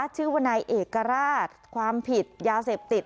ชื่อว่านายเอกราชความผิดยาเสพติด